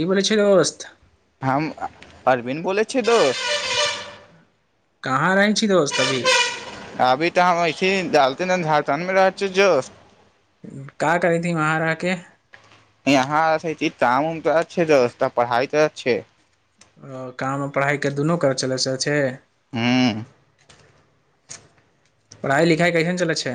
की बोलै छै दोस्त अरविन बोलै छै दोस्त कहाँ रहै छै दोस्त अभी अभी तऽ हम ऐसीहि डालथि ने झारखण्डमे रहै जोश का करैहथी वहाँ रह के यहाँ ऐसे छी काम उम तऽ करैय छियै दोस्त पढ़ाई करैय छियै ओ काम ओर पढ़ाई के दुनू करै चलै अछै हूँ पढ़ाई लिखाई कइसन चलै छै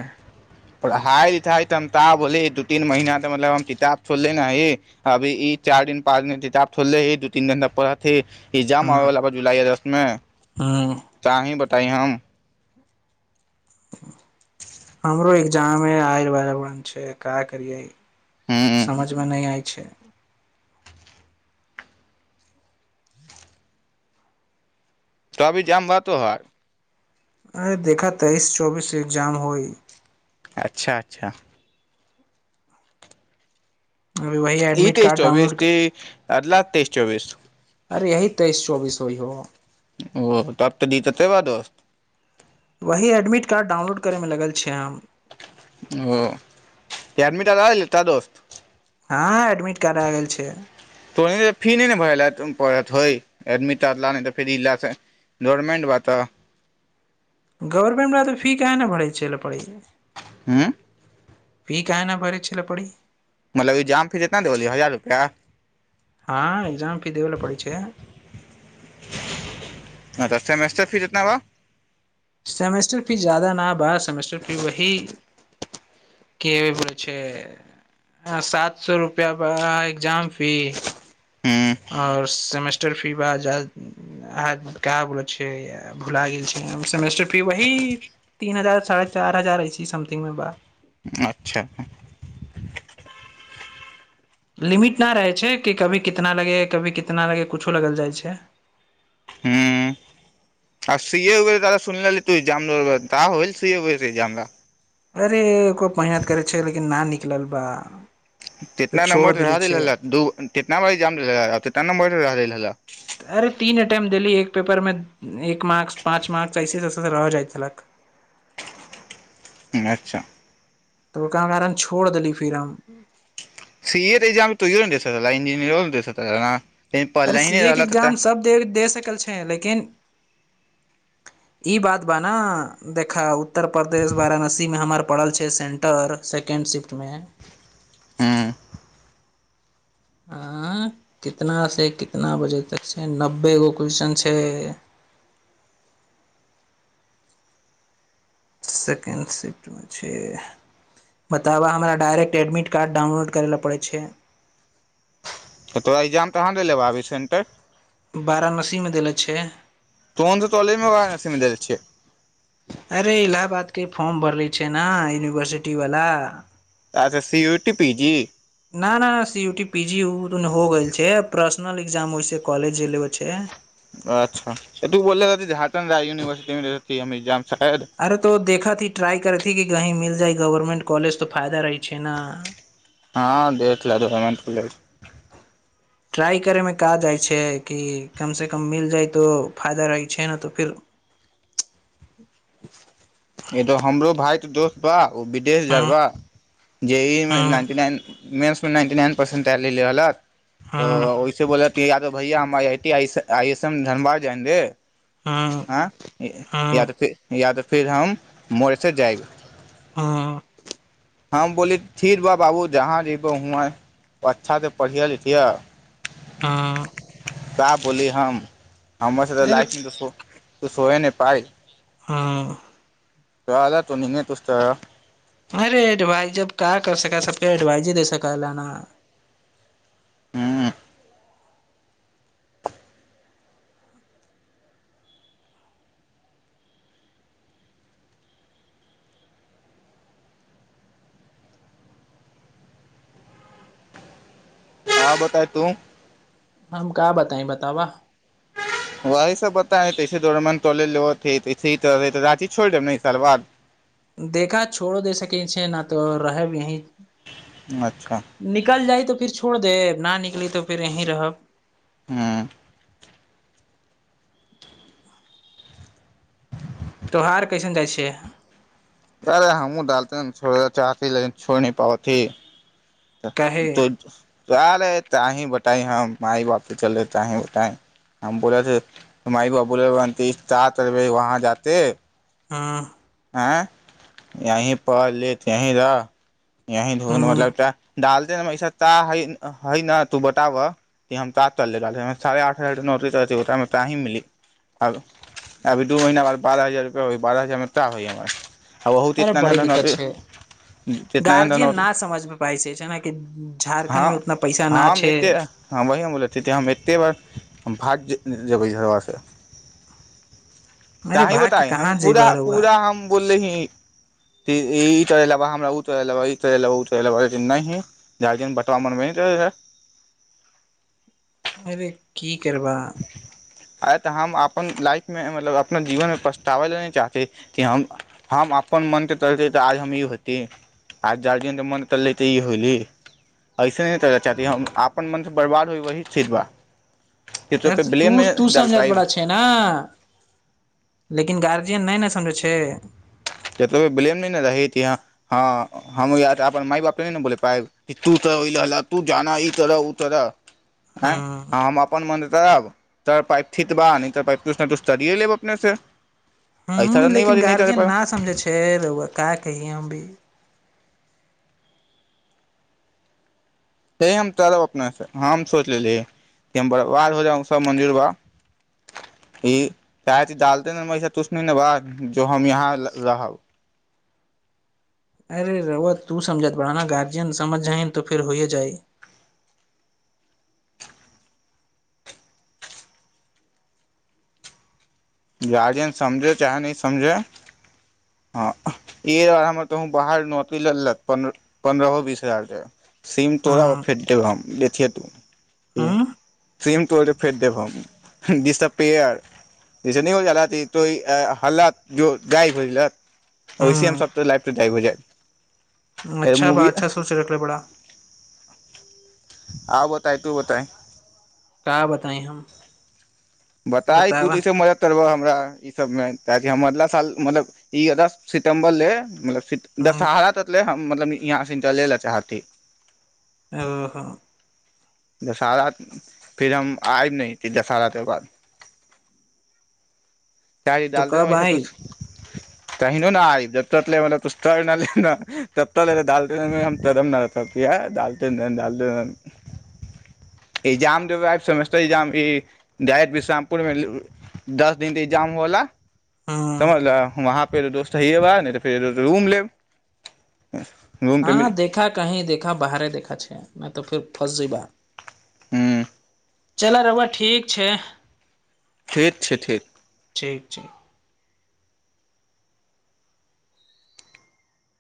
पढ़ाई लिखाई त हम ता बोली दू तीन महीना तऽ मतलब हम किताब खोलले न हइ अभी ई चार दिन पाँच दिन किताब खोलले हि दू तीन दिन तक पढ़त ही एग्जाम आबैला जुलाई अगस्तमे नय हूँ आंही बताई हम हमरो एग्जाममे आई बला छैय का करियै हूँ समझमे नयि आई अच्छा तऽ कब एगजाम बा तोहार ऽ अरे देखा तेईस चौबीस से एग्जाम होई अच्छा अच्छा अभी वही एहि एडमिट तेइस कार्ड चौबीस डाउनलोड के अगला तेईस चौबीस अरे यही तेईस चौबीस होइ हो ओ तब तऽ दिक्कत तेऽ तबा दोस्त वही एडमिट कार्ड डाउनलोड करैय मे लगल छियै हम ओ एडमीड कार्ड आल गेलैय का दोस्त हँ एडमिट कार्ड आ गेल छै तो फी नहि ने भर ल पड़त हइ एडमिट ल नहि तऽ फेर इलाला त गोरमेंट बा तऽ गवर्नमेंटमे तऽ फी कहे ने भरै चै लए पड़ैए उ फी कहे न भरै छल पड़ी मतलब ई जाम फीस इतना देबियै हजार रुपैया हँ एग्जाम फी देब ल पड़ैय छै ह तऽ सेमेस्टर फी केतना बा सेमेस्टर फी ज्यादा नहि बा सेमेस्टर फी वही के बोलै छै सात सौ रुपैया बा एग्जाम फी हूँ आओर सेमेस्टर फी का बोल भुला गेल छैय फी वही तीन हजार साढ़े चार हजार समथिंग मे बा अच्छा लिमिट नहि रहै छै कि कभी कितना लगे कभी कितना लगे कछो लगल जाइ छै ह आ सीए उए दा सुनली तू एग्जाम देबय बा का होली सीए उए के एग्जाम बा अरे कोइ मेहनत करै छै लेकिन न निकलल बा तऽ तितना छोड़ नंबर चढ़ा देले छै देलक त दितना नबर जितना नं्र रहल ह ी एक पेपर मे एक मार्क पाँच मार्कस ऐसेे रह जाइत छलक अच्छा तऽ ओकरा कारण छोड़ देली फिर हम सी ए त तोयू ना दे सकल बा द इंजीनीयर मे दे सकत बा अरे सी ए के एग्जाम सब दे सकल छै लेकिन ई बात बा ने देखा उत्तर प्रदेश वाराणसीमे हमर पड़ल छै सेन्टर सेकेण्ड शिफ्टमे हँ हँ कितनासँ कितना बजे तक छै नब्बे गो क्वेशन छै सेकेण्ड शिफ्टमे छै बताबह हमरा डायरेक्ट एडमिट कार्ड डाउनलोड करय लए पड़ै छै त तोरा एग्जाम त कहाँ नहि लेबऽ आबी सेन्टर वाराणसीमे देले छै तो त तोलमे सि द छै अरे इलाहाबाद के फॉर्म भरले छै ने यूनिवर्सिटी वाला त तऽ सी यूटी पी जी न न सी उठी पी जी ओ दुन हो गेल छै पर्सनल एग्जाम होइ छै कॉलज जे लेब छै अच्छा तू बोल झारखण् यूनिवर्सिट मेाम अरे तो देखाथी ्रई करेथी कि कही मिल गवर्मेंट कोलज तऽ फायदा रहै छै ने हँ द द ट्राइ करैमे क जाइ छै कि कम से कम मिल जाइ तो फायदा रहै छै ने तऽ फिर ई तो हमरो भााय तऽ दोस्त बा ओ विदेश हँ जबा जे ईमे हँ नाइन्टी नाइन मेन्समे नाइन्टी नाइन परसेन्ट तय लेले रहलक तऽ हँ ओहिसँे बोलत यादो भैया हमर आई एस एम धनबाद जायेंगे हँ हँ याद फिर फिर हम मोरेसस जाएब हँ हम बोली ठीक बा बाबू जहाँ जयबह हुआँ अच्छासँ पढ़िए लिखियह हँ का बोली हम हमर अरे लाइफ मे दोसो तू सोह ने पाय हँ [inaudible] तऽ जा तू न ने [unintelligible] अरे भाइ जब क कर सका सब फर एडवाइज दे सकय ल‌ ना हँ हँ बताय तू हम का बताई बतावा वही सब बताइ [unintelligible] दरम तोलेस त री छोड़ि देब ने ई साल बाद देखा छोड़ो दे सकय नहि त रहब यहीं अच्छा निकल जाइ तऽ फिर छोड़ दे न निकली तऽ फेर यहीं रहब हँ [inaudible] [inaudible] त्योहार कैसन जाइत छैक अरे हमू ा [unintelligible] लते छड़ चाह ल छोड़ न पाब त काहे त आल [unintelligible] काहि बताइ हम माइ बाप त चल रहे तीं बताए हम बोलेथे माइ बाप बोले बनेरबे वहाँ जाे हँ हँ यही पढ़ लेत यहीं रह यही ढूंढ मतलब हँ तऽ डालते ने ऐसा ता है न तू बताबह कि हम ता कहलै हम साढ़े आठ हजार केँ नौकरी करत रहि ओकरा संँ का हग मिली अभी दू महीना बाद बारह हजार रुपआ होइ बारह हजारमे का होइ हमर आ ओह अरे तितना बड़ी दिक्कत छै धितना गार्जियन ध ना समझ मे पाइ छै जेनाकि झारखण्ड मे उतना पैसा ना छै ह वही बोल एते बार [unintelligible] हम भाग जेबय झगड़ासँ मेे भाय केँ कहाँ जेबअ रहुआ पूरा हम बोले तर लबा हमरा त ला तरा त ले गारजियन बतबा मानबे नहि अरे की करबा आइ तऽ हम अपन लाइफमे मतलब अपना जीवनमे पछतावै लए नहि चाहत कि हम हम अपन मनकेँ तलतै तऽ आज हम ई होती आज गार्जियनकेँ मने चली तऽ ई होयली अइसे नहि तय चाहती हम अपन मनसँ बर्बाद होइ वही ठिकबा अर त तू तू समझत बड़ा छै ने लेकिन गारजियन नहि न समझय छैक ब्लेम नहि ने रहि कि ह हम य अपन माय -बाप त ने बोल पाय तू त तू जाना ई तरह ओ तरह--‌ हँ आँ हम अपन मन त पाइप ठीक बा नहि त कुछ न कुछ करियए लेब अपने से एहिइसा नहि बी नहि करे प [unintelligible] फेर ओ का कहि हम भी हे हम तब अपने हम सोच लेली हम बर्बाद हो जाउ सब मन्दिर बा ई चाहे डालते तुछ ने बा जो हम यहाँ रहब अरे रहुआ तू समझत बा ने गार्जियन समझ जाइ तऽ फेर होइए जाइ गार्जियन समझे चाहे नहि समझे हँ ई हमर कह बाहर नौकरी लेलत प पन्द्रहो बीस हजार के सीम तोड़ब आ हँ फेक देब हम देखथिय त हूँ सीम क फेड देम दिस द पेयर हाल दाय हो ओ हूँ लफ द हो जा [unintelligible] अच्छा बा अच्छा सोच रखले बाड़ा आउ बताब तू बताए का बताइ हम बताए तू बतावा तईसे मदद करबह हमरा ई सबमे ताकि हम अगला साल मतलब ई अगस्त सितम्बर ले मतब हूँ दशहरा ततले हम मतलब इहाँ से निकले ल चाहत है ओहो दशहरा फिर हम आयब नहि दशहरा केँ बाद तो चड़ी ाल दे रह कब हा त आइब [unintelligible] तहि ने आे [unintelligible] श्यामपुर मे दस दिन त एग्जाम होला हूँ समझ ल वहाँ फेर दोस्त हयैबा नहि तऽ फेर रूम लेब रूम तऽ मिल हँ देखा कही देखा बाहरे देखा छैक नहि तऽ फेर फस जैबा हँ [unintelligible] चलऽ रहुआ ठीक छैक ठीक छैक ठीक ठीक छै